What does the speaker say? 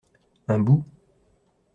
Un bout.